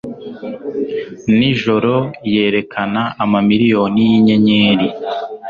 nijoro, yerekana amamiriyoni yinyenyeri